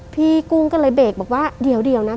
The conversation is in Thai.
กุ้งก็เลยเบรกบอกว่าเดี๋ยวนะ